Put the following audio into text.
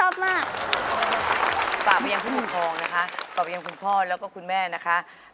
ฝากไปยังคุณพ่อแล้วก็คุณแม่นะคะ